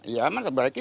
ya pernah diperbaiki